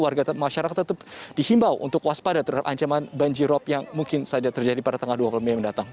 warga masyarakat tetap dihimbau untuk waspada terhadap ancaman banjirop yang mungkin saja terjadi pada tanggal dua puluh mei mendatang